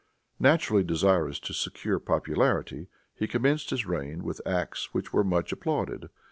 Naturally desirous to secure popularity, he commenced his reign with acts which were much applauded.